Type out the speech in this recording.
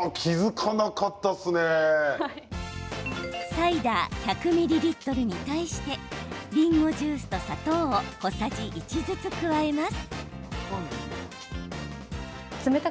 サイダー１００ミリリットルに対してりんごジュースと砂糖を小さじ１ずつ加えます。